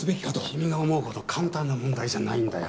君が思うほど簡単な問題じゃないんだよ。